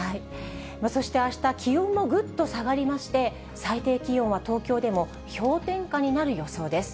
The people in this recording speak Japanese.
そしてあした、気温もぐっと下がりまして、最低気温は東京でも氷点下になる予想です。